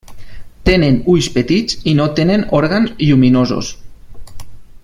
Tenen ulls petits i no tenen òrgans lluminosos.